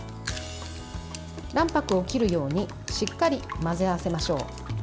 卵白を切るようにしっかり混ぜ合わせましょう。